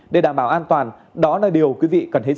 để đảm bảo an toàn đó là điều quý vị cần